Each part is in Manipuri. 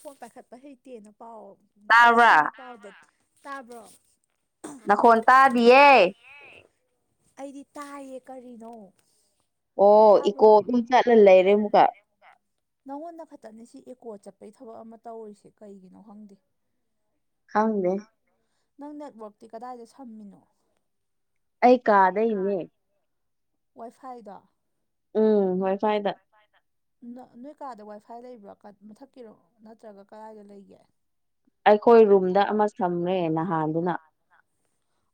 ꯐꯣꯟ ꯄꯥꯏꯈꯠꯄ ꯍꯩꯇꯦꯅ ꯄꯥꯎ ꯑꯥꯏ ꯑꯦꯁ ꯇꯤ ꯇꯥꯕ꯭ꯔꯥ ꯚꯤ ꯄꯥꯎꯗ ꯇꯥꯕꯔ‌ꯣ ꯅꯈꯣꯟ ꯍ‌ꯣ ꯇꯥꯗꯤꯌꯦ ꯇꯥꯔꯤꯌ‌ꯦ ꯑꯩꯗꯤ ꯇꯥꯏꯌꯦ ꯀꯔꯤꯅꯣ ꯑꯣ ꯏꯀꯣ ꯇꯥꯕ꯭ꯔꯣ ꯑꯗꯨꯝ ꯆꯠꯂ ꯂꯩꯔꯦ ꯑꯃꯨꯛꯀ ꯅꯪꯉꯣꯟꯗ ꯈꯛꯇꯅꯤ ꯁꯤ ꯑꯦꯀꯣ ꯆꯠꯄꯩ ꯊꯕꯛ ꯑꯃ ꯇꯧꯔꯤꯁꯦ ꯀꯩꯒꯤꯅꯣ ꯈꯪꯗꯦ ꯈꯪꯗꯦ ꯅꯪ ꯅꯦꯠꯋꯔꯥꯛꯛꯇꯤ ꯀꯗꯥꯏꯗ ꯁꯝꯃꯤꯅꯣ ꯑꯩ ꯀꯥꯗꯩꯅꯦ ꯋꯥꯏꯐꯥꯏꯗꯣ ꯎꯝ ꯋꯥꯏ ꯐꯥꯏꯠ ꯅꯣꯏ ꯀꯥꯗ ꯋꯥꯏꯐꯥꯏ ꯂꯩꯕ꯭ꯔꯣ ꯃꯊꯛꯀꯤꯔꯣ ꯅꯠꯇ꯭ꯔꯒ ꯀꯔꯥꯏꯗ ꯂꯩꯒꯦ ꯑꯩꯈꯣꯏ ꯔꯨꯝꯗ ꯑꯃ ꯁꯝꯃꯦ ꯅꯍꯥꯟꯗꯨꯅ꯫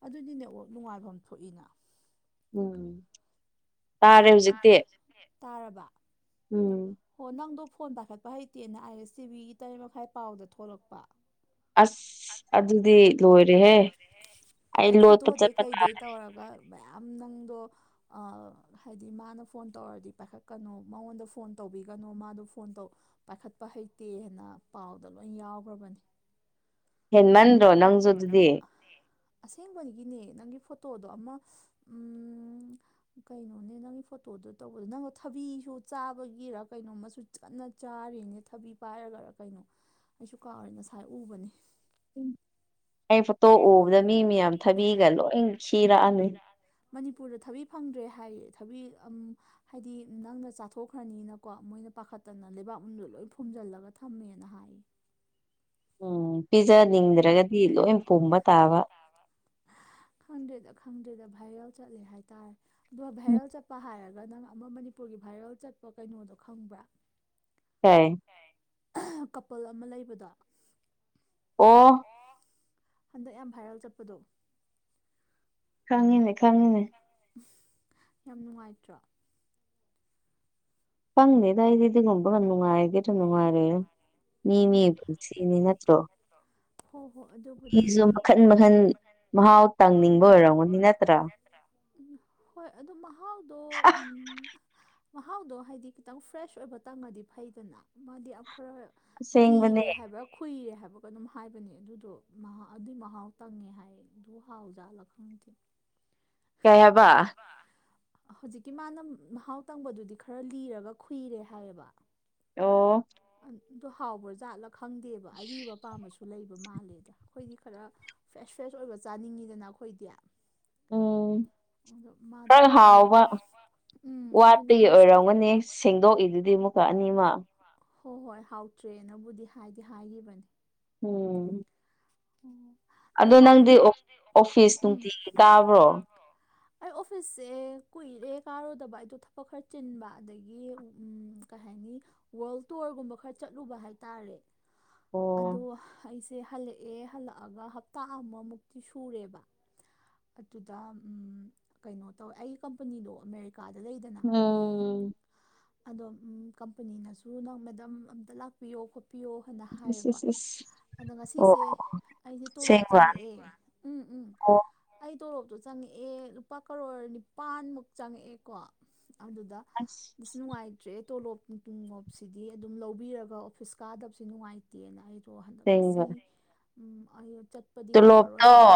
ꯑꯗꯨꯗꯤ ꯅꯦꯠ ꯋꯥꯛ ꯅꯨꯡꯉꯥꯏꯕꯝ ꯊꯣꯛꯏꯅ ꯎꯝ ꯇꯥꯔꯦ ꯍꯧꯖꯤꯛꯇꯤ ꯇꯥꯔꯕ ꯎꯝ ꯍꯣ ꯅꯪꯗꯣ ꯐꯣꯟ ꯄꯥꯈꯠꯄ ꯍꯩꯇꯦꯅ ꯑꯥꯏ ꯑꯦꯁ ꯇꯤ ꯚꯤꯒꯤ ꯇꯔꯦꯠ ꯃꯈꯥꯏ ꯄꯥꯎꯗ ꯊꯣꯛꯂꯛꯄ ꯑꯁ ꯑꯗꯨꯗꯤ ꯂꯣꯏꯔꯦꯍꯦ ꯑꯩ ꯂꯣꯠꯄ ꯐꯣꯇꯣꯗꯩ ꯆꯠꯄ ꯀꯩꯗꯩ ꯇꯥꯔꯦ ꯇꯧꯔꯒ ꯃꯌꯥꯝ ꯅꯪꯗꯣ ꯍꯥꯏꯗꯤ ꯃꯥꯅ ꯐꯣꯟ ꯇꯧꯔꯗꯤ ꯄꯥꯏꯈꯠꯀꯅꯨ ꯃꯉꯣꯟꯗ ꯐꯣꯟ ꯇꯧꯕꯤꯒꯅꯨ ꯃꯥꯗꯣ ꯐꯣꯟ ꯇꯧ ꯄꯥꯏꯈꯠꯄ ꯍꯩꯇꯦꯅ ꯄꯥꯎꯗ ꯂꯣꯏ ꯌꯥꯎꯒ꯭ꯔꯥꯕꯅꯤ ꯍꯦꯟꯃꯟꯗ꯭ꯔꯣ ꯅꯪꯖꯨ ꯑꯗꯨꯗꯤ ꯑꯁꯦꯡꯕꯅꯤꯒꯤꯅꯦ ꯅꯪꯒꯤ ꯐꯣꯇꯣꯗꯣ ꯑꯃ ꯎꯝ ꯀꯩꯅꯣꯅꯦ ꯅꯪꯒꯤ ꯐꯣꯇꯣꯗꯨ ꯇꯧꯕꯗꯣ ꯅꯪꯂꯣ ꯊꯕꯤꯁꯨ ꯆꯥꯕꯒꯤꯔ ꯀꯩꯅꯣꯝꯃꯥꯁꯨ ꯀꯟꯅ ꯆꯥꯔꯤꯅꯦ ꯊꯕꯤ ꯄꯥꯏꯔꯒꯔꯥ ꯀꯩꯅꯣ ꯑꯩꯁꯨ ꯀꯥꯎꯔꯦ ꯉꯁꯥꯏ ꯎꯕꯅꯦ ꯑꯩ ꯐꯣꯇꯣ ꯎꯕꯗ ꯃꯤ ꯃꯌꯥꯝ ꯊꯥꯕꯤꯒꯥ ꯂꯣꯏ ꯈꯤꯔꯛꯑꯅꯤ ꯃꯅꯤꯄꯨꯔꯗ ꯊꯕꯤ ꯐꯪꯗ꯭ꯔꯦ ꯍꯥꯏꯌꯦ ꯊꯕꯤ ꯑꯝ ꯍꯥꯏꯗꯤ ꯅꯪꯅ ꯆꯥꯊꯣꯛꯈ꯭ꯔꯅꯤꯅꯀꯣ ꯃꯣꯏꯅ ꯄꯥꯈꯠꯇꯅ ꯂꯩꯕꯥꯛꯃꯗꯣ ꯂꯣꯏ ꯐꯨꯝꯖꯤꯜꯂꯒ ꯊꯝꯃꯦꯅ ꯍꯥꯏꯌꯦ ꯎꯝ ꯄꯤꯖꯅꯤꯡꯗ꯭ꯔꯥꯒꯗꯤ ꯂꯣꯏ ꯄꯨꯝꯕ ꯇꯥꯕ ꯈꯪꯗ꯭ꯔꯦꯗ ꯈꯪꯗ꯭ꯔꯦꯗ ꯚꯥꯏꯔꯦꯜ ꯆꯠꯂꯦ ꯍꯥꯏꯇꯥꯔꯦ ꯑꯗꯨꯒ ꯎꯝ ꯚꯥꯏꯔꯦꯜ ꯆꯠꯄ ꯍꯥꯏꯔꯒ ꯅꯪ ꯑꯃ ꯃꯅꯤꯄꯨꯔꯒꯤ ꯚꯥꯏꯔꯦꯜ ꯆꯠꯄ ꯀꯩꯅꯣꯗꯣ ꯈꯪꯕ꯭ꯔꯥ ꯀꯩ ꯀꯄꯜ ꯑꯃ ꯂꯩꯕꯗꯣ ꯑꯣ ꯑꯣ ꯍꯟꯗꯛ ꯌꯥꯝ ꯚꯥꯏꯔꯦꯜ ꯆꯠꯄꯗꯣ ꯈꯪꯉꯤꯅꯦ ꯈꯪꯉꯤꯅꯦ ꯌꯥꯝ ꯅꯨꯡꯉꯥꯏꯇ꯭ꯔꯣ ꯈꯪꯗꯦꯗ ꯑꯩꯗꯤ ꯑꯗꯨꯒꯨꯝꯕꯒꯥ ꯅꯨꯡꯉꯥꯏꯒꯦꯗ꯭ꯔꯥ ꯅꯨꯡꯉꯥꯏꯔꯣꯏꯔꯥ ꯃꯤ ꯃꯤ ꯑꯣ [inaudible] ꯁꯤꯅꯤ ꯅꯠꯇ꯭ꯔꯣ ꯍꯣ ꯍꯣ ꯑꯗꯨꯕꯨ ꯃꯤꯖꯨ ꯃꯈꯟ ꯃꯈꯟ ꯃꯍꯥꯎ ꯇꯪꯅꯤꯡꯕ ꯑꯣꯏꯔꯝꯒꯅꯤ ꯅꯠꯇ꯭ꯔꯥ [inaudible] ꯑ ꯍꯣꯏ ꯑꯗꯣ ꯃꯍꯥꯎꯗꯣ ꯎꯝ ꯃꯍꯥꯎꯗꯣ ꯍꯥꯏꯗꯤ ꯈꯤꯇꯪ ꯐ꯭ꯔꯦꯁ ꯑꯣꯏꯕ ꯇꯪꯉꯗꯤ ꯐꯩꯗꯅ ꯃꯥꯗꯤ ꯑ ꯈꯔ ꯑꯁꯦꯡꯕꯅꯦ ꯂꯤꯔꯦ ꯍꯥꯏꯕ ꯈꯨꯨꯏꯔꯦ ꯍꯥꯏꯕ ꯀꯅꯣꯝ ꯍꯥꯏꯕꯅꯦ ꯑꯗꯨꯗꯣ ꯑꯗꯨꯏ ꯃꯍꯥꯎ ꯇꯪꯉꯦ ꯍꯥꯏ ꯑꯗꯨ ꯍꯥꯎꯖꯥꯜꯂ ꯈꯪꯗꯦ ꯀꯩ ꯍꯥꯏꯕ ꯍꯧꯖꯤꯛꯀꯤ ꯃꯥꯅ ꯃꯍꯥꯎ ꯇꯪꯕꯗꯨꯗꯤ ꯈꯔ ꯂꯤꯔꯒ ꯈꯨꯨꯏꯔꯦ ꯍꯥꯏꯌꯦꯕ꯫ ꯑꯣ꯫ ꯑꯗꯣ ꯍꯥꯎꯕꯖꯥꯠꯂꯥ ꯈꯪꯗꯦꯕ ꯑꯔꯤꯕ ꯑꯄꯥꯝꯕꯁꯨ ꯂꯩꯕ ꯃꯥꯜꯂꯦꯕ ꯑꯩꯈꯣꯏꯗꯤ ꯈꯔ ꯐ꯭ꯔꯦꯁ ꯐ꯭ꯔꯦꯁ ꯑꯣꯏꯕ ꯆꯥꯅꯤꯡꯉꯤꯗꯅ ꯑꯩꯈꯣꯏꯗꯤ ꯎꯝ ꯑꯗꯣ ꯃꯥꯗꯤ ꯈꯔ ꯂꯤ [unintelligible] ꯎꯝ ꯑꯗꯨꯅꯦ ꯋꯥꯠꯄꯒꯤ ꯍꯥꯏꯁꯦ ꯑꯣꯏꯔꯝꯒꯅꯤ ꯁꯦꯡꯗꯣꯛꯏꯗꯨꯗꯤ ꯃꯨꯛꯀ ꯑꯅꯤꯃꯛ ꯍꯣ ꯍꯣꯏ ꯍꯥꯎꯇ꯭ꯔꯦꯅꯕꯨꯗꯤ ꯍꯥꯏꯗꯤ ꯍꯥꯏꯒꯤꯕꯅꯤ ꯎꯝ ꯎꯝ ꯑꯗꯨ ꯑꯗꯣ ꯅꯪꯗꯤ ꯍꯥꯏꯔꯒ ꯑꯣꯐ ꯑꯣꯐꯤꯁ ꯅꯨꯡꯇꯤꯒꯤ ꯀꯥꯕ꯭ꯔꯣ ꯑꯩ ꯑꯣꯐꯤꯁꯁꯦ ꯀꯨꯏꯔꯦ ꯀꯥꯔꯨꯗꯕ ꯑꯩꯗꯣ ꯊꯕꯛ ꯈꯔ ꯆꯤꯟꯕ ꯑꯗꯒꯤ ꯎꯝ ꯀꯩ ꯍꯥꯏꯅꯤ ꯋꯥꯔꯜ ꯇꯣꯔꯒꯨꯝꯕ ꯈꯔ ꯆꯠꯂꯨꯕ ꯍꯥꯏꯇꯥꯔꯦ ꯑꯗꯣ ꯑꯣ ꯑꯩꯁꯦ ꯍꯜꯂꯛꯑꯦ ꯍꯜꯂꯛꯑꯒ ꯍꯞꯇꯥ ꯑꯃꯃꯨꯛꯇꯤ ꯁꯨꯔꯦꯕ ꯑꯗꯨꯗ ꯀꯩꯅꯣ ꯇꯧꯋꯦ ꯑꯩꯒꯤ ꯀꯝꯄꯅꯤꯗꯣ ꯑꯃꯦꯔꯤꯀꯥꯗ ꯂꯩꯗꯅ ꯎꯝ [unintelligible] [inaudible] ꯑꯗꯣ ꯀꯝꯄꯅꯤꯅꯁꯨ ꯅꯪ ꯃꯦꯗꯥꯝ ꯑꯝꯇ ꯂꯥꯛꯄꯤꯌꯣ ꯈꯣꯠꯄꯤꯌꯣ ꯑꯗ ꯏꯁ ꯍꯥꯏꯔꯛꯄ [inaudible] ꯏꯁ [unintelligible] ꯏꯁ ꯑꯗꯣ ꯑꯣ ꯉꯁꯤꯁꯦ ꯑꯩꯁꯦ ꯇꯣꯂꯣꯞ ꯑꯁꯦꯡꯕ ꯆꯪꯉꯛꯑꯦ ꯎꯝ ꯎꯝ ꯑꯣ ꯑꯩ ꯇꯣꯔꯣꯞꯇꯣ ꯆꯪꯉꯛꯑꯦ ꯂꯨꯄꯥ ꯀꯔꯣꯔ ꯅꯤꯄꯥꯟꯃꯨꯛ ꯆꯪꯉꯛꯑꯦꯀꯣ ꯑꯗꯨꯗ ꯑꯁ ꯅꯨꯡꯉꯥꯏꯇ꯭ꯔꯦ ꯇꯣꯂꯣꯞ ꯇꯨꯡꯂꯣꯞꯁꯤꯗꯤ ꯑꯗꯨꯝ ꯂꯧꯕꯤꯔꯒ ꯑꯣꯐꯤꯁ ꯀꯥꯗꯕꯁꯤ ꯅꯨꯡꯉꯥꯏꯇꯦ ꯇꯦꯅ ꯑꯩꯗꯣ ꯍꯟꯗꯛ ꯉꯁꯤ ꯑꯁꯦꯡꯕ ꯎꯝ ꯑꯩ ꯆꯠꯄꯗꯤ ꯉꯝꯃꯔꯣꯏ ꯇꯣꯂꯣꯞꯇꯣ ꯍꯥꯏꯗꯤ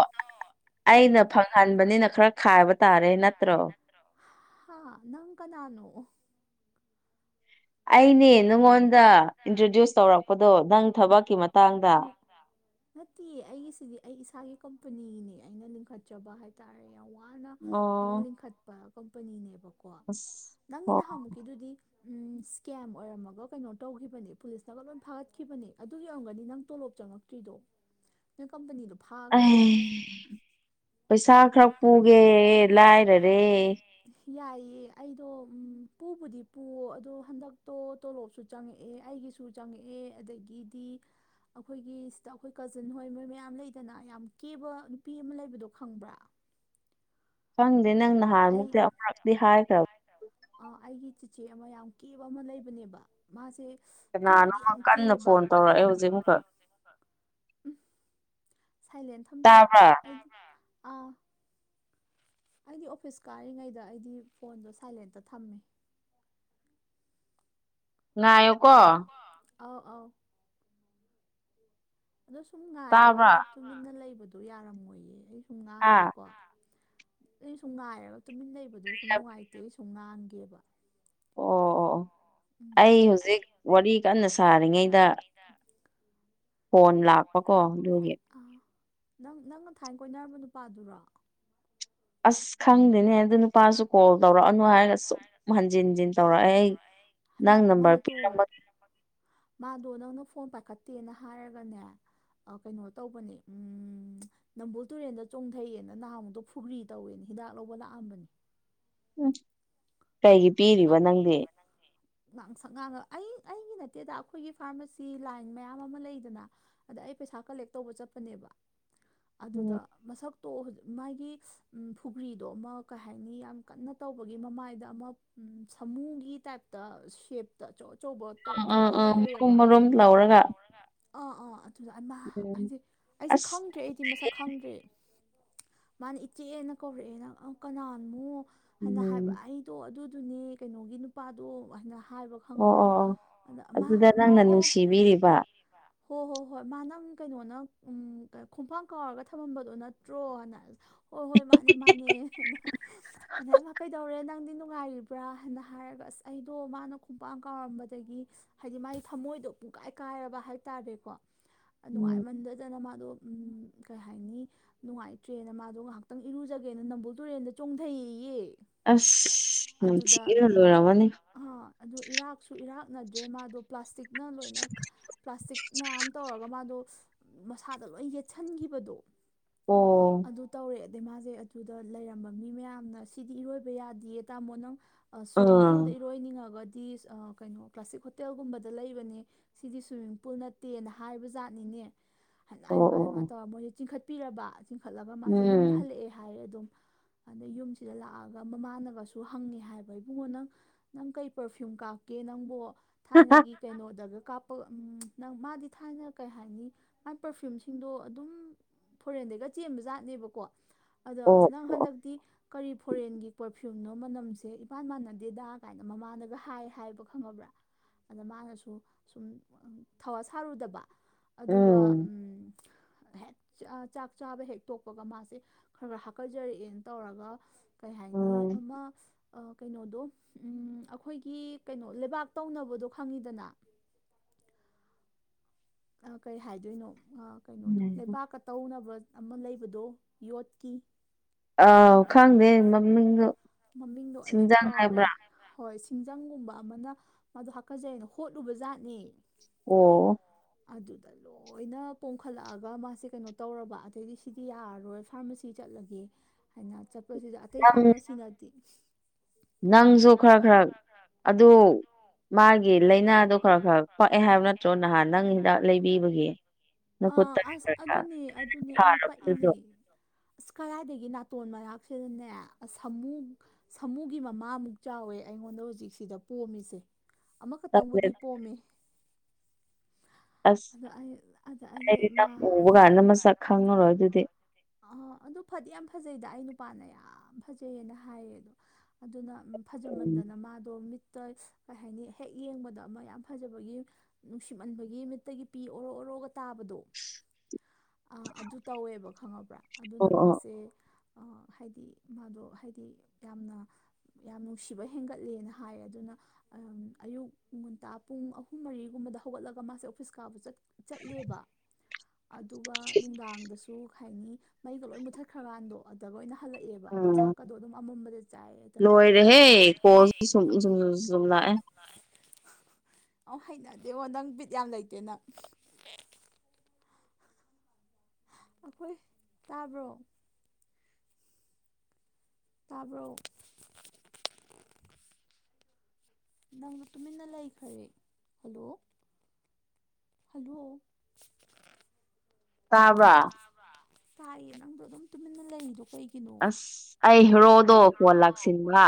ꯎꯝ ꯑꯩꯅ ꯐꯪꯍꯟꯕꯅꯤꯅ ꯈꯔ ꯈꯥꯏꯕ ꯇꯥꯔꯦ ꯅꯠꯇ꯭ꯔꯣ ꯍꯥ ꯅꯪ ꯀꯅꯥꯅꯣ [unintelligible] [inaudible] ꯑꯩꯅꯦ ꯅꯪꯉꯣꯟꯗ ꯏꯟꯇ꯭ꯔꯣꯗ꯭ꯌꯨꯁ ꯇꯧꯔꯛꯄꯗꯣ ꯅꯪ ꯊꯕꯛꯀꯤ ꯃꯇꯥꯡꯗ ꯅꯠꯇꯤꯌꯦ ꯑꯩꯒꯤꯁꯤꯗꯤ ꯑꯩ ꯏꯁꯥꯒꯤ ꯀꯝꯄꯅꯤꯅꯦ ꯑꯩꯅ ꯂꯤꯡꯈꯠꯆꯕ ꯍꯥꯏ ꯍꯥꯏꯇꯥꯔꯦ ꯌꯥꯝ ꯋꯥꯅ ꯑꯩꯅ ꯑꯣ ꯂꯤꯡꯈꯠꯄ ꯀꯝꯄꯅꯤꯅꯦꯕꯀꯣ ꯀꯣ ꯑꯁ ꯅꯪꯒꯤ ꯍꯣ ꯅꯍꯥꯃꯨꯛꯀꯤꯗꯨꯗꯤ ꯎꯝ ꯀꯦꯝ ꯑꯣꯏꯔꯝꯃꯒ ꯀꯩꯅꯣ ꯇꯧꯈꯤꯕꯅꯤ ꯄꯨꯂꯤꯁꯅꯒ ꯂꯣꯏ ꯐꯥꯒꯠꯈꯤꯕꯅꯤ ꯑꯗꯨꯒꯤ ꯑꯣꯏꯔꯝꯒꯅꯤ ꯅꯪ ꯇꯣꯂꯣꯞ ꯆꯪꯉꯛꯇ꯭ꯔꯤꯗꯣ [unintelligible] [inaudible] ꯅꯪ ꯀꯝꯄꯅꯤꯗꯨ ꯐꯥꯈ꯭ꯔꯕꯅꯦ ꯑꯩ ꯄꯩꯁꯥ ꯈꯔ ꯄꯨꯒꯦ ꯂꯥꯏꯔꯔꯦ ꯌꯥꯏꯌꯦ ꯑꯩꯗꯣ ꯄꯨꯕꯨꯗꯤ ꯄꯨꯑꯣ ꯑꯗꯣ ꯍꯟꯗꯛꯇꯣ ꯇꯣꯂꯣꯞꯁꯨ ꯆꯪꯉꯛꯑꯦ ꯑꯩꯒꯤꯁꯨ ꯆꯪꯉꯛꯑꯦ ꯑꯗꯒꯤꯗꯤ ꯑꯩꯈꯣꯏꯒꯤ ꯁꯤꯗ ꯑꯩꯈꯣꯏ ꯀꯖꯤꯟ ꯍꯣꯏ ꯃꯣꯏ ꯃꯌꯥꯝ ꯂꯩꯗꯅ ꯌꯥꯝ ꯀꯦꯕ ꯅꯨꯄꯤ ꯑꯃ ꯂꯩꯕꯗꯣ ꯈꯪꯕ꯭ꯔꯥ ꯈꯪꯗꯦ ꯅꯪ ꯅꯍꯥꯟꯃꯨꯛꯇꯤ ꯑꯃꯔꯛꯇꯤ ꯍꯥꯏꯈ꯭ꯔꯕꯅꯤ ꯍꯥꯏꯇꯔꯣ꯫ [unintelligible] [inaudible] ꯑ ꯑꯩꯒꯤ ꯆꯤꯆꯦ ꯑꯃ ꯌꯥꯝ ꯀꯦꯕ ꯑꯃ ꯂꯩꯕꯅꯦꯕ ꯃꯥꯁꯦ ꯀꯦꯕꯨꯗꯤ ꯀꯅꯥꯅꯣꯃ ꯌꯥꯝ ꯀꯟꯅ ꯀꯦꯕ ꯐꯣꯟ ꯇꯧꯔꯛꯑꯦ ꯍꯧꯖꯤꯛ ꯑꯃꯨꯛꯀ ꯎꯝ ꯁꯥꯏꯂꯦꯟ ꯊꯝꯖꯜꯂꯣ ꯇꯥꯕ꯭ꯔꯥ ꯑꯥ ꯑꯩꯗꯤ ꯑꯣꯐꯤꯁ ꯀꯥꯔꯤꯉꯩꯗ ꯑꯩꯗꯤ ꯐꯣꯟꯗꯣ ꯁꯥꯏꯂꯦꯟꯇ ꯊꯝꯃꯦ ꯉꯥꯏꯌꯣꯀꯣ [unintelligible] [inaudible] ꯑꯥꯎ ꯑꯥꯎ [unintelligible] [inaudible] ꯑꯗꯣ ꯁꯨꯝ ꯉꯥꯏꯔꯒ ꯇꯥꯕ꯭ꯔꯥ ꯑꯩꯁꯨ ꯇꯨꯃꯤꯟꯅ ꯂꯩꯕꯗꯣ ꯌꯥꯔꯝꯃꯣꯏꯌꯦ ꯑꯩ ꯁꯨꯝ ꯑꯥ ꯉꯥꯡꯒꯦꯀꯣ ꯑꯩꯁꯨ ꯉꯥꯏꯔꯒ ꯇꯨꯃꯤꯟꯅ ꯂꯩꯕꯗꯨꯣ ꯁꯨꯝ ꯑꯣ ꯅꯨꯡꯉꯥꯏꯇꯦꯕ ꯁꯨꯝ ꯉꯥꯟꯒꯦꯕ ꯑꯣ ꯑꯣ ꯑꯣ ꯎꯝ ꯑꯩ ꯍꯧꯖꯤꯛ ꯋꯥꯔꯤ ꯀꯟꯅ ꯁꯥꯔꯤꯉꯩꯗ ꯇ [unintelligible] [inaudible] ꯐꯣꯟ ꯂꯥꯛꯄꯀꯣ ꯑꯗꯨꯒꯤ ꯑ ꯅꯪ ꯅꯪꯒ ꯊꯥꯏꯅ ꯀꯣꯏꯅꯔꯝꯕ ꯅꯨꯄꯥꯗꯨꯔꯣ ꯑꯁ ꯈꯪꯗꯦꯅꯦ ꯑꯗꯨ ꯅꯨꯄꯥꯁꯨ ꯀꯣꯜ ꯇꯧꯔꯛꯑꯅꯨ ꯍꯥꯏꯔꯁꯨ ꯍꯟꯖꯤꯟ ꯍꯟꯖꯤꯟ ꯇꯧꯔꯛꯑꯦ ꯑꯩ ꯃ ꯅꯪ ꯅꯝꯕꯔ ꯃꯥꯗꯣ ꯄꯤꯔꯝꯃꯒꯦ ꯃꯥꯗꯣ ꯅꯪꯅ ꯐꯣꯟ ꯄꯥꯏꯈꯠꯇꯦꯅ ꯍꯥꯏꯔꯒꯅꯦ ꯀꯩꯅꯣ ꯇꯧꯕꯅꯤ ꯎꯝ ꯅꯝꯕꯨꯜ ꯇꯨꯔꯦꯟꯗ ꯆꯣꯡꯊꯩꯑꯦꯅ ꯅꯍꯥꯟꯃꯨꯛꯇꯣ ꯐꯨꯒ꯭ꯔꯤ ꯇꯧꯋꯦꯅ ꯍꯤꯗꯥꯛ ꯂꯧꯕ ꯂꯥꯛꯑꯝꯕꯅꯤ ꯎꯝ ꯀꯩꯒꯤ ꯄꯤꯔꯤꯕ ꯅꯪꯗꯤ ꯉꯥꯡꯁꯛ ꯉꯥꯡꯉ ꯑꯩ ꯑꯩꯒꯤ ꯅꯠꯇꯦꯗ ꯑꯩꯈꯣꯏꯒꯤ ꯐꯥꯔꯃꯥꯁꯤ ꯂꯥꯏꯟ ꯃꯌꯥꯝ ꯑꯃ ꯂꯩꯗꯅ ꯑꯗ ꯑꯩ ꯄꯩꯁꯥ ꯀꯂꯦꯛ ꯇꯧꯕ ꯆꯠꯄꯅꯦꯕ ꯎꯝ ꯑꯗꯨꯗ ꯃꯁꯛꯇꯣ ꯃꯥꯒꯤ ꯐꯨꯒ꯭ꯔꯤꯗꯣ ꯑꯃ ꯀꯩ ꯍꯥꯏꯅꯤ ꯌꯥꯝ ꯀꯟꯅ ꯇꯧꯕꯒꯤ ꯃꯃꯥꯏꯗ ꯑꯃ ꯁꯥꯃꯨꯒꯤ ꯇꯥꯏꯞꯇ ꯁꯦꯞ ꯑꯆꯧ ꯑꯆꯧꯕ ꯇꯧ ꯑꯥ ꯑꯥ ꯑꯥ ꯊꯣꯛꯑꯒ ꯃꯔꯨꯝ ꯂꯩꯌꯦꯕ ꯃꯔꯨꯝ ꯂꯧꯔꯒ ꯑꯥ ꯑꯥ ꯑꯗꯨꯗ ꯑꯃ ꯎꯝ ꯑꯩꯁꯦ ꯑꯩꯁꯦ ꯑꯁ ꯈꯪꯗ꯭ꯔꯦ ꯑꯩꯗꯤ ꯃꯁꯛ ꯈꯪꯗ꯭ꯔꯦ ꯃꯥꯅ ꯏꯆꯦꯅ ꯀꯧꯔꯛꯑꯦ ꯅꯪ ꯀꯅꯥꯅꯣ ꯍꯥꯏꯅ ꯍꯥꯏꯕ ꯎꯝ ꯑꯩꯗꯣ ꯑꯗꯨ ꯑꯗꯨꯅꯦ ꯀꯩꯅꯣꯒꯤ ꯅꯨꯄꯥꯗꯣ ꯍꯥꯏꯅ ꯍꯥꯏꯕ ꯑꯣ ꯈꯪꯉꯕ꯭ꯔꯥ ꯑꯣ ꯑꯣ ꯑꯗ ꯑꯃ ꯑꯃ ꯑꯣ ꯅꯪꯅ ꯅꯨꯡꯁꯤꯕꯤꯔꯤꯕ ꯍꯣꯏ ꯍꯣ ꯍꯣꯏ ꯃꯥ ꯀꯩꯅꯣꯅ ꯈꯣꯡꯄꯥꯛ ꯀꯥꯎꯔꯒ ꯊꯝꯃꯝꯕꯗꯣ ꯅꯠꯇ꯭ꯔꯣꯅ ꯍꯣꯏ ꯍꯣꯏ ꯃꯥꯅꯦ ꯃꯥꯅꯦ ꯑꯗ ꯑꯩꯃꯥ ꯀꯩꯗꯧꯔꯦ ꯅꯪꯗꯤ ꯅꯨꯡꯉꯥꯏꯔꯤ ꯕ꯭ꯔꯥ ꯍꯥꯏꯅ ꯍꯥꯏꯔꯒ ꯑꯁ ꯑꯩꯗꯣ ꯃꯥꯅ ꯈꯨꯡꯄꯥꯡ ꯀꯥꯎꯔꯝꯕꯗꯒꯤ ꯍꯥꯏꯗꯤ ꯃꯥꯒꯤ ꯊꯝꯃꯣꯏꯗꯣ ꯄꯨꯡꯀꯥꯏ ꯀꯥꯏꯔꯕ ꯍꯥꯏꯇꯥꯔꯦꯀꯣ ꯎꯝ ꯅꯨꯡꯉꯥꯏꯃꯟꯗꯗꯅ ꯃꯥꯗꯣ ꯎꯝ ꯀꯩ ꯍꯥꯏꯅꯤ ꯅꯨꯡꯉꯥꯏꯇ꯭ꯔꯦꯅ ꯃꯥꯗꯣ ꯉꯥꯏꯍꯥꯛꯇꯪ ꯏꯔꯨꯖꯒꯦꯅ ꯅꯝꯕꯨꯜ ꯇꯨꯔꯦꯟꯗ ꯆꯣꯡꯗꯩꯑꯩꯌꯦ ꯑꯁ ꯅꯝꯊꯤꯕꯅ ꯂꯣꯔꯝꯃꯅꯤ ꯑ ꯑꯗꯣ ꯏꯔꯥꯛꯁꯨ ꯏꯔꯥꯛꯅꯗ꯭ꯔꯦ ꯃꯥꯗꯣ ꯄ꯭ꯂꯥꯁꯇꯤꯛ ꯅ ꯂꯣꯏꯅꯈ ꯄ꯭ꯂꯥꯁꯇꯤꯛ ꯃꯌꯥꯝ ꯇꯧꯔꯒ ꯃꯥꯗꯣ ꯃꯁꯥꯗ ꯂꯣꯏ ꯌꯦꯠꯁꯟꯒꯤꯕꯗꯣ ꯑꯣ ꯑꯗꯨ ꯇꯧꯔꯦ ꯑꯗꯩ ꯃꯥꯁꯦ ꯑꯗꯨꯗ ꯂꯩꯔꯝꯕ ꯃꯤ ꯃꯌꯥꯝꯅ ꯁꯤꯗꯤ ꯏꯔꯣꯏꯕ ꯌꯥꯗꯤꯌꯦ ꯇꯥꯃꯣ ꯅꯪ ꯁ꯭ꯋꯤꯝꯃꯤꯡ ꯄꯨꯜꯗ ꯑꯥ ꯏꯔꯣꯏꯅꯤꯡꯉꯒꯗꯤ ꯑ ꯀꯩꯅꯣ ꯀ꯭ꯂꯥꯁꯤꯛ ꯍꯣꯇꯦꯜꯒꯨꯝꯕꯗ ꯂꯩꯕꯅꯦ ꯁꯤꯗꯤ ꯁ꯭ꯋꯤꯝꯃꯤꯡ ꯄꯨꯜ ꯅꯠꯇꯦꯅ ꯍꯥꯏꯕꯖꯥꯠꯅꯤꯅꯦ ꯍꯥꯏꯃꯥ ꯑꯣ ꯑꯣ ꯍꯥꯏ ꯍꯥꯢꯃꯥ ꯑꯣ ꯇꯧꯔꯒ ꯃꯣꯏꯁꯦ ꯆꯤꯡꯈꯠꯄꯤꯔꯕ ꯆꯤꯡꯈꯠꯂꯒ ꯃꯥꯁꯦ ꯌꯨꯝꯗ ꯎꯝ ꯍꯜꯂꯛꯑꯦ ꯍꯥꯏ ꯑꯗꯨꯝ ꯑꯗꯩ ꯌꯨꯝꯁꯤꯗ ꯂꯥꯛꯑꯥꯒ ꯃꯃꯥꯅꯒ ꯑꯗꯨ ꯍꯪꯉꯦ ꯍꯥꯏꯕ ꯏꯕꯨꯡꯉꯣ ꯅꯪ ꯅꯪ ꯀꯩ ꯄ꯭ꯔꯐ꯭ꯌꯨꯝ ꯀꯥꯞꯀꯦ ꯅꯪꯕꯣ ꯊꯥꯏꯅꯒꯤ ꯀꯩꯅꯣꯗꯒ ꯀꯥꯞꯄꯒ ꯎꯝ ꯅꯪ ꯃꯥꯗꯤ ꯊꯥꯏꯅ ꯀꯩ ꯍꯥꯏꯅꯤ ꯃꯥꯏ ꯄ꯭ꯔꯐ꯭ꯌꯨꯝꯁꯤꯡꯗꯣ ꯑꯗꯨꯝ ꯐꯣꯔꯦꯟꯗꯩꯒ ꯆꯦꯟꯕꯖꯥꯠꯅꯦꯕꯀꯣ ꯑꯗꯣ ꯑꯣ ꯅꯪ ꯑꯣ ꯍꯟꯗꯛꯇꯤ ꯀꯔꯤ ꯐꯣꯔꯦꯟꯒꯤ ꯄ꯭ꯔꯐ꯭ꯌꯨꯝ ꯅꯣ ꯃꯅꯝꯁꯦ ꯏꯄꯥꯟ ꯃꯥꯟꯅꯗꯦꯗ ꯀꯥꯏꯅ ꯃꯃꯥꯅꯒ ꯍꯥꯏ ꯍꯥꯏꯕ ꯈꯪꯉꯕ꯭ꯔꯥ ꯑꯗ ꯃꯥꯅꯁꯨ ꯁꯨꯝ ꯊꯧꯋꯥ ꯁꯥꯔꯨꯗꯕ ꯑꯗꯨꯒ ꯎꯝ ꯍꯦꯠ ꯆꯥ ꯆꯥꯛ ꯆꯥꯕ ꯍꯦꯛ ꯇꯣꯛꯄꯒ ꯃꯥꯁꯦ ꯈꯔ ꯈꯔ ꯍꯥꯀꯠꯖꯔꯛꯑꯦꯅ ꯇꯧꯔꯒ ꯀꯩ ꯍꯥꯏ ꯎꯝ ꯑꯃ ꯑ ꯀꯩꯅꯣꯗꯣ ꯎꯝ ꯑꯩꯈꯣꯏꯒꯤ ꯀꯩꯅꯣ ꯂꯩꯕꯥꯛ ꯇꯧꯅꯕꯗꯣ ꯈꯪꯉꯤꯗꯅ ꯑ ꯀꯩ ꯍꯥꯏꯗꯣꯏꯅꯣ ꯑ ꯀꯩꯅꯣꯗꯣ ꯂꯩꯕꯥꯛꯀ ꯇꯧꯅꯕ ꯑꯃ ꯂꯩꯕꯗꯣ ꯌꯣꯠꯀꯤ ꯑꯥꯎ ꯈꯪꯗꯦ ꯃꯃꯤꯡ ꯃꯃꯤꯡꯗꯣ ꯑꯩꯁꯨ ꯁꯤꯡꯖꯪ ꯀꯥꯎꯔꯦ ꯍꯥꯏꯕ꯭ꯔꯥ ꯍꯣꯏ ꯁꯤꯡꯖꯪꯒꯨꯝꯕ ꯑꯃꯅ ꯃꯥꯗꯣ ꯍꯥꯀꯠꯖꯩꯅ ꯍꯣꯠꯂꯨꯕꯖꯥꯠꯅꯤ ꯑꯣ ꯑꯗꯨꯗ ꯂꯣꯏꯅ ꯄꯣꯡꯈꯠꯂꯛꯑꯒ ꯃꯥꯁꯦ ꯀꯩꯅꯣ ꯇꯧꯔꯕ ꯑꯗꯩꯗꯤ ꯁꯤꯗꯤ ꯌꯥꯔꯔꯣꯏ ꯐꯥꯔꯃꯥꯁꯤ ꯆꯠꯂꯒꯦ ꯍꯥꯏꯅ ꯆꯠꯄꯁꯤꯗ ꯑꯇꯩ ꯐꯥꯔꯃꯥꯔꯁꯤꯅꯗꯤ ꯅꯪꯖꯨ ꯈ꯭ꯔꯛ ꯈ꯭ꯔꯛ ꯑꯗꯨ ꯃꯥꯒꯤ ꯂꯥꯏꯅꯥꯗꯣ ꯈ꯭ꯔꯛ ꯈ꯭ꯔꯛ ꯄꯛꯑꯦ ꯍꯥꯏꯕ ꯅꯥꯠꯇ꯭ꯔꯣ ꯅꯍꯥꯟ ꯅꯪ ꯍꯤꯗꯥꯛ ꯂꯩꯕꯤꯕꯒꯤ ꯑꯥ ꯅꯈꯨꯠꯇ ꯑꯁ ꯈꯔ ꯈꯔ ꯑꯗꯨꯅꯦ ꯑꯗꯨꯅꯦ ꯑꯩ ꯄꯛꯏꯅꯦ ꯊꯥꯔꯕꯗꯨꯗꯣ ꯑꯁ ꯀꯔꯥꯏꯗꯒꯤ ꯅꯥꯇꯣꯟ ꯃꯅꯥꯛꯁꯤꯗꯅꯦ ꯑꯁ ꯁꯃꯨ‌ꯡ ꯁꯃꯨꯒꯤ ꯃꯃꯥꯃꯨꯛ ꯆꯥꯎꯋꯦ ꯑꯩꯉꯣꯟꯗ ꯍꯧꯖꯤꯛ ꯁꯤꯗ ꯄꯣꯝꯃꯤꯁꯦ ꯑꯃꯈꯛꯇꯪꯕꯨꯗꯤ ꯄꯣꯝꯃꯤ ꯑꯁ ꯑꯗ ꯑꯩ ꯑꯗ ꯑꯩꯖꯦ ꯃꯥ ꯑꯩꯗꯤ ꯅꯪ ꯎꯕ ꯀꯥꯟꯗ ꯃꯁꯛ ꯈꯪꯉꯔꯣꯏ ꯑꯗꯨꯗꯤ ꯑꯥ ꯑꯗꯨ ꯐꯗꯤ ꯌꯥꯝ ꯐꯖꯩꯗ ꯑꯩ ꯅꯨꯄꯥꯅ ꯌꯥꯝ ꯐꯖꯩꯌꯦꯅ ꯍꯥꯏꯌꯦ ꯑꯗꯣ ꯑꯗꯨꯅ ꯎꯝ ꯐꯖꯃꯟꯗꯅ ꯃꯥꯗꯣ ꯃꯤꯠꯇ ꯀꯩ ꯍꯥꯏꯅꯤ ꯍꯦꯛ ꯌꯦꯡꯕꯗ ꯑꯃ ꯌꯥꯝ ꯐꯖꯕꯒꯤ ꯅꯨꯡꯁꯤꯃꯟꯕꯒꯤ ꯃꯤꯠ ꯇꯒꯤ ꯄꯤ ꯑꯣꯔꯣ ꯑꯣꯔꯣꯒ ꯇꯥꯕꯗꯣ ꯑ ꯑꯗꯨ ꯇꯧꯋꯦꯕ ꯈꯪꯉꯕ꯭ꯔꯥ ꯑꯗꯨꯅ ꯑꯣ ꯑꯣ ꯃꯥꯁꯦ ꯑꯥ ꯍꯥꯏꯗꯤ ꯃꯥꯗꯣ ꯍꯥꯏꯗꯤ ꯌꯥꯝꯅ ꯌꯥꯝ ꯅꯨꯡꯁꯤꯕ ꯍꯦꯟꯒꯠꯂꯦꯅ ꯍꯥꯏ ꯑꯗꯨꯅ ꯑꯝ ꯑꯌꯨꯛ ꯉꯟꯇꯥ ꯄꯨꯡ ꯑꯍꯨꯝ ꯃꯔꯤꯒꯨꯝꯕꯗ ꯍꯧꯒꯠꯂꯒ ꯃꯥꯁꯦ ꯑꯣꯐꯤꯁ ꯀꯥꯕ ꯆꯠ ꯆꯠꯂꯦꯕ ꯑꯗꯨꯒ ꯅꯨꯡꯗꯥꯡꯗꯁꯨ ꯍꯥꯏꯅꯤ ꯃꯩꯒ ꯂꯣꯏ ꯃꯨꯠꯊꯠꯈ꯭ꯔꯒꯥꯟꯗꯣ ꯑꯗ ꯑꯣꯏꯅ ꯍꯜꯂꯛꯑꯦꯕ ꯎꯝ ꯆꯥꯛꯀꯗꯣ ꯑꯗꯨꯝ ꯑꯃꯝꯕꯗ ꯆꯥꯏꯌꯦ ꯑꯗ ꯂꯣꯏꯔꯦꯍꯦ ꯑꯥ ꯂꯣꯏꯔꯦꯍꯦ [unintelligible] ꯑꯧ ꯍꯩꯅꯗꯦꯕꯣ ꯅꯪ ꯕꯤꯠ ꯌꯥꯝ ꯂꯩꯇꯦ ꯅꯪ ꯑꯩꯈꯣꯏ ꯇꯥꯕ꯭ꯔꯣ ꯇꯥꯕ꯭ꯔꯣ ꯅꯪꯗꯣ ꯇꯨꯃꯤꯟꯅ ꯂꯩꯈꯔꯦ ꯍꯜꯂꯣ ꯍꯜꯂꯣ ꯇꯥꯕꯔꯥ ꯇꯥꯏꯌꯦ ꯅꯪꯗꯣ ꯑꯗꯨꯝ ꯇꯨꯃꯤꯟꯅ ꯂꯩꯗꯣ ꯀꯩ ꯑꯁ ꯑꯩ ꯍꯦꯔꯣꯗꯣ ꯀꯣꯟ ꯂꯥꯛꯁꯤꯟꯕ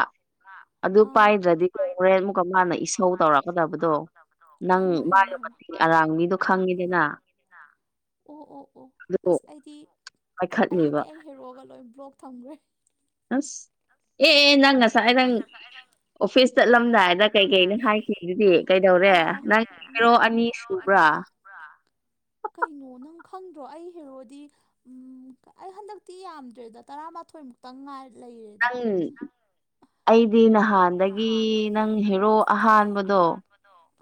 ꯑꯗꯨ ꯄꯥꯏꯗ꯭ꯔꯗꯤ ꯍꯣꯔꯦꯟ ꯄꯥꯏꯗ꯭ꯔꯗꯤ ꯑꯃꯨꯛꯀ ꯃꯥꯅ ꯍꯣꯔꯦꯟ ꯑꯃꯨꯛꯀ ꯏꯁꯧ ꯃꯥꯥꯅ ꯏꯁꯧ ꯇꯧꯔꯛꯀꯗꯕꯗꯣ ꯇꯧꯔꯛꯀꯗꯕꯗꯣ ꯅꯪ ꯃꯥꯒꯤ ꯃꯇꯤꯡ ꯃꯥꯒꯤ ꯃꯆꯤꯡ ꯑꯔꯥꯡꯕꯤꯗꯣ ꯑꯔꯥꯡ ꯕꯤꯗꯣ ꯈꯪꯉꯤꯗꯅ ꯈꯪ [unintelligible] ꯑꯣ ꯑꯣ ꯑꯣ ꯑꯗꯨ ꯑꯁ ꯑꯩꯗꯤ ꯄꯥꯏꯈꯠꯂꯤꯕ ꯑꯩꯗꯤ ꯍꯦꯔꯣꯒ ꯂꯣꯏ ꯕ꯭ꯂꯣꯛ ꯊꯝꯈ꯭ꯔꯦ ꯑꯁ ꯑꯦ ꯅꯪ ꯉꯁꯥꯏ ꯅꯪ ꯑꯣꯐꯤꯁ ꯆꯠꯂꯝꯗꯥꯏꯗ ꯀꯩꯀꯩꯅꯣ ꯍꯥꯏꯈꯤꯗꯨꯗꯤ ꯀꯩꯗꯧꯔꯦ ꯑꯥ ꯅꯪ ꯑꯥ ꯃꯥ ꯍꯦꯔꯣ ꯑꯣ ꯑꯅꯤ ꯁꯨꯕ꯭ꯔꯥ [inaudible] ꯀꯩꯅꯣ ꯅꯪ ꯈꯪꯗ꯭ꯔꯣ ꯑꯩ ꯍꯦꯔꯣꯗꯤ ꯎꯝ ꯑꯩ ꯍꯟꯗꯛꯇꯤ ꯌꯥꯝꯗ꯭ꯔꯦꯗ ꯇꯔꯥꯃꯥꯊꯣꯏ ꯃꯨꯛꯇꯪ ꯉꯥꯏꯔꯦ ꯅꯪ ꯑꯩꯗꯤ ꯅꯍꯥꯟꯗꯒꯤ ꯅꯪ ꯍꯦꯔꯣ ꯑꯍꯥꯟꯕꯗꯣ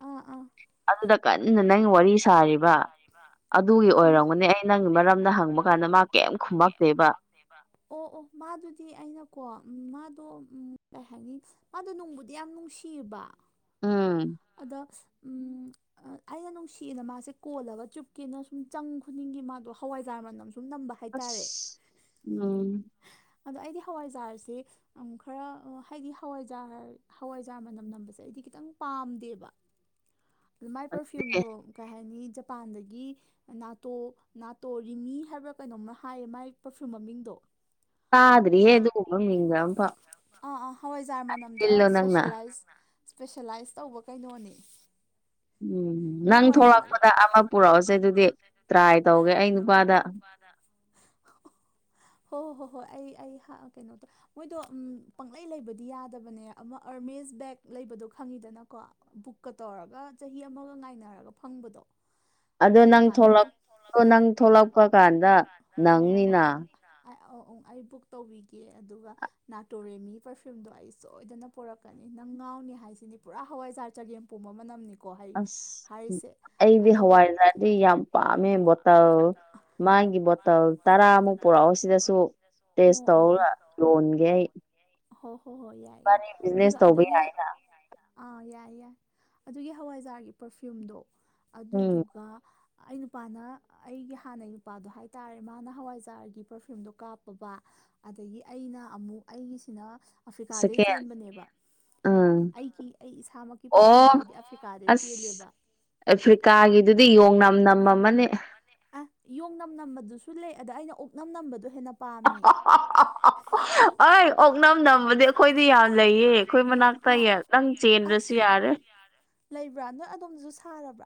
ꯑꯥ ꯑꯥ ꯑꯗꯨꯗ ꯀꯟꯅ ꯅꯪ ꯋꯥꯔꯤ ꯁꯥꯔꯤꯕ ꯑꯗꯨꯒꯤ ꯍꯩꯃꯥ ꯑꯣꯏꯔꯝꯒꯅꯤ ꯑꯩ ꯅꯪꯒꯤ ꯃꯔꯝꯗ ꯍꯪꯕ ꯀꯥꯟꯗ ꯃꯥ ꯀꯩꯝ ꯈꯨꯝꯃꯛꯇꯦꯕ ꯑꯣ ꯑꯣ ꯃꯥꯗꯨꯗꯤ ꯑꯩꯅꯀꯣ ꯃꯥꯗꯣ ꯎꯝ ꯀꯩ ꯍꯥꯏꯅꯤ ꯃꯥꯗꯣ ꯅꯨꯡꯕꯨꯗꯤ ꯌꯥꯝ ꯅꯨꯡꯁꯤꯕ ꯎꯝ ꯑꯗꯣ ꯎꯝ ꯑꯩꯅ ꯅꯨꯡꯁꯤꯌꯦꯅ ꯃꯥꯁꯦ ꯀꯣꯜꯂꯒ ꯆꯨꯞꯀꯦꯅ ꯁꯨꯝ ꯆꯪ ꯈꯨꯗꯤꯡꯒꯤ ꯃꯥꯗꯣ ꯍꯋꯥꯏꯖꯥꯔ ꯃꯅꯝ ꯁꯨꯝ ꯅꯝꯕ ꯍꯥꯏ ꯍꯥꯏꯇꯥꯔꯦ ꯑꯁ ꯎꯝ ꯑꯗꯣ ꯑꯩꯗꯤ ꯍꯋꯥꯏꯖꯥꯔꯁꯤ ꯑꯃꯨꯛ ꯈꯔ ꯍꯥꯏꯗꯤ ꯍꯋꯥꯏꯖꯥꯔ ꯍꯋꯥꯏꯖꯥꯔ ꯃꯅꯝ ꯅꯝꯕꯁꯦ ꯑꯩꯗꯤ ꯈꯤꯇꯪ ꯄꯥꯝꯗꯦꯕ ꯑꯗ ꯃꯥꯏ ꯑꯦ ꯄꯔꯐ꯭ꯌꯨꯝꯗꯣ ꯀꯩ ꯍꯥꯏꯅꯤ ꯖꯄꯥꯟꯗꯒꯤ ꯅꯥꯇꯣ ꯅꯥꯇꯣꯔꯤꯃꯤ ꯍꯥꯏꯕ꯭ꯔ ꯀꯩꯅꯣꯝ ꯍꯥꯏꯌꯦ ꯃꯥꯏ ꯄꯔꯐ꯭ꯌꯨꯝ ꯃꯃꯤꯡꯗꯣ ꯇꯥꯗꯔ꯭ꯤꯍꯦ ꯑꯗꯨ ꯑꯗꯨꯒꯨꯝꯕ ꯃꯤꯡꯒ ꯑꯝꯐꯥꯎ ꯑꯥ ꯑꯥ ꯍꯋꯥꯏꯖꯥꯔ ꯃꯅꯝꯗ ꯏꯜꯂꯣ ꯅꯪꯅ ꯏꯁꯄꯦꯁꯦꯂꯥꯏꯁ ꯏꯁꯄꯦꯁꯦꯂꯥꯏꯁ ꯇꯧꯕ ꯀꯩꯅꯣꯅꯤ ꯎꯝ ꯅꯪ ꯁꯥꯟꯅꯕ ꯊꯂꯛꯄꯗ ꯑꯃ ꯄꯨꯔꯛꯑꯣꯁꯦ ꯑꯗꯨꯗꯤ ꯇ꯭ꯔꯥꯏ ꯇꯧꯒꯦ ꯑꯩ ꯅꯨꯄꯥꯗ [unintelligible] [inaudible] ꯍꯣ ꯍꯣ ꯍꯣꯏ ꯑꯩ ꯑꯩ ꯀꯩꯅꯣꯇꯧ ꯃꯣꯏꯗꯣ ꯄꯪꯂꯩ ꯂꯩꯕꯗꯤ ꯌꯥꯗꯕꯅꯦ ꯑꯃ ꯑꯔꯃꯦꯁ ꯕꯦꯛ ꯂꯩꯕꯗꯣ ꯈꯪꯉꯤꯗꯅꯀꯣ ꯕꯨꯛꯀ ꯇꯧꯔꯒ ꯆꯍꯤ ꯑꯃꯒ ꯉꯥꯏꯅꯔꯒ ꯐꯪꯕꯗꯣ ꯑꯗꯣ ꯑꯗꯨ ꯅꯪ ꯃꯥꯟꯅꯗꯦ ꯊꯣꯛꯂꯛꯄ ꯅꯪ ꯊꯣꯛꯂꯛꯄ ꯀꯥꯟꯗ ꯍꯣꯏ ꯍꯣꯏ ꯍꯣꯏ ꯅꯪꯅꯤꯅ ꯑ ꯑꯩ ꯕꯨꯛ ꯇꯧꯕꯤꯒꯦ ꯑꯗꯨꯒ ꯅꯥꯇꯣꯔꯦꯃꯤ ꯄꯔꯐ꯭ꯌꯨꯝꯗꯣ ꯑꯩ ꯁꯣꯏꯗꯅ ꯄꯣꯔꯛꯀꯅꯤ ꯅꯪ ꯉꯥꯎꯅꯤ ꯍꯥꯏꯁꯤꯅꯤ ꯄꯨꯔꯥ ꯍꯋꯥꯏꯖꯥꯔ ꯆꯒꯦꯝ ꯄꯣꯝꯕ ꯃꯅꯝꯅꯤꯀꯣ ꯍꯥꯏ ꯑꯁ ꯍꯥꯏꯔꯤꯁꯦ ꯑꯩꯗꯤ ꯑꯗꯨꯒ ꯍꯋꯥꯏꯖꯥꯔꯗꯤ ꯌꯥꯝ ꯄꯥꯝꯃꯦ ꯕꯣꯇꯜ ꯃꯥꯒꯤ ꯕꯣꯇꯜ ꯇꯔꯥꯃꯨꯛ ꯄꯨꯔꯛꯑꯣ ꯁꯤꯗꯁꯨ ꯇꯦꯁ ꯇꯧꯔꯒ ꯌꯣꯟꯒꯦ ꯑꯩ ꯍꯣꯏ ꯍꯣ ꯍꯣꯏ ꯌꯥꯏ ꯌꯥꯏ ꯏꯕꯥꯅꯤ ꯕꯤꯖꯤꯅꯦꯁ ꯑꯗꯨꯒ ꯇꯧꯕ ꯑꯗꯨꯒꯤ ꯌꯥꯏꯅ ꯑꯥ ꯌꯥꯏ ꯌꯥꯏ ꯑꯗꯨꯒꯤ ꯍꯋꯥꯏꯖꯥꯔꯒꯤ ꯄꯔꯐꯤꯌꯨꯝꯗꯣ ꯎꯝ ꯑꯗꯨꯗꯨꯒ ꯑꯩ ꯅꯨꯄꯥꯅ ꯑꯩꯒꯤ ꯍꯥꯟꯅꯩ ꯅꯨꯄꯥꯗꯣ ꯍꯥꯏꯇꯥꯔꯦ ꯃꯥꯅ ꯍꯋꯥꯏꯖꯥꯔꯒꯤ ꯄꯔꯐ꯭ꯌꯨꯝꯗꯣ ꯀꯥꯞꯄꯕ ꯑꯗꯒꯤ ꯑꯩꯅ ꯑꯃꯨꯛ ꯑꯩꯒꯤꯁꯤꯅ ꯑꯐ꯭ꯔꯤꯀꯥꯗꯩ ꯁꯦꯀꯦꯟ ꯆꯦꯟꯕꯅꯦꯕ ꯎꯝ ꯑꯩꯒꯤ ꯑꯩ ꯏꯁꯥꯃꯛꯀꯤ ꯑꯣ ꯄꯔꯐ꯭ꯌꯨꯝꯁꯦ ꯑꯩꯗꯤ ꯑꯐ꯭ꯔꯤꯀꯥꯗꯩ ꯑꯁ ꯆꯦꯜꯂꯦꯕ ꯑꯐ꯭ꯔꯤꯀꯥꯒꯤꯗꯨꯗꯤ ꯌꯣꯡꯅꯝ ꯅꯝꯃꯃꯃꯅꯤ [unintelligible] ꯌꯣꯡ ꯅꯝ ꯅꯝꯕꯗꯨꯁꯨ ꯂꯩ ꯑꯗ ꯑꯩꯅ ꯑꯣꯛꯅꯝ ꯅꯝꯕꯗꯣ ꯍꯦꯟꯅ ꯄꯥꯝꯃꯦ [inaudible] ꯑꯣꯏ ꯑꯣꯛꯅꯝ ꯅꯝꯕꯗꯤ ꯑꯈꯣꯏꯗꯤ ꯌꯥꯝ ꯂꯩꯌꯦ ꯈꯣꯏ ꯃꯅꯥꯛꯇ ꯌꯦ ꯅꯪ ꯆꯦꯟꯗ꯭ꯔꯁꯨ ꯌꯥꯔꯦ ꯕ꯭ꯔꯥ ꯅꯣꯏ ꯑꯗꯣꯝꯗꯁꯨ ꯁꯥꯔꯕ꯭ꯔꯥ